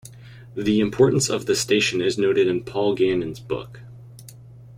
The importance of the station is noted in Paul Gannon's book.